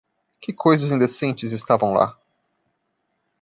Que coisas indecentes estavam lá!